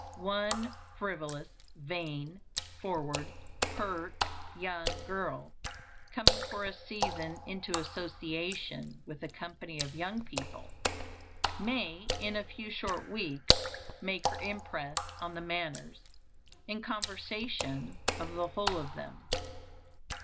One frivolous, vain, forward, pert young girl, coming for a season into association with a company of young people, may in a few short weeks make her impress on the manners and conversation of the whole of them.